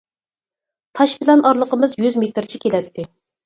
تاش بىلەن ئارىلىقىمىز يۈز مېتىرچە كېلەتتى.